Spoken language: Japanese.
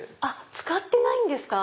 使ってないんですか！